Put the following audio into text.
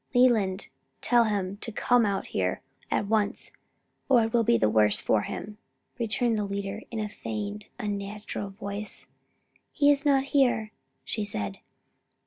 "Leland. Tell him to come out here at once or it will be the worse for him," returned the leader, in a feigned, unnatural voice. "He is not here," she said.